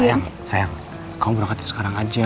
sayang sayang kamu berangkatnya sekarang aja